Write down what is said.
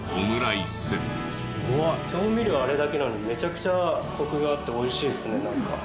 調味料あれだけなのにめちゃくちゃコクがあって美味しいですねなんか。